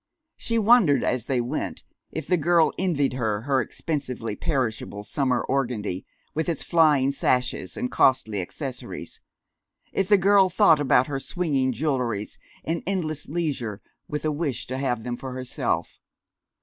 She wondered, as they went, if the girl envied her her expensively perishable summer organdie, with its flying sashes and costly accessories; if the girl thought about her swinging jewelries and endless leisure with a wish to have them for herself.